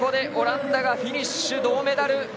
オランダがフィニッシュ銅メダル。